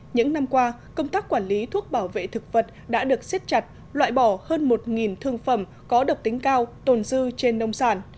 những năm qua công tác quản lý thuốc bảo vệ thực vật đã được siết chặt loại bỏ hơn một thương phẩm có độc tính cao tồn dư trên nông sản